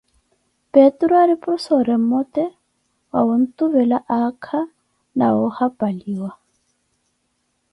Peturu Hari porofessoreh mmote wa owatuvela aakha na wa ohaphaliwa